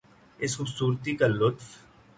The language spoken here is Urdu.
اس خوبصورتی کا لطف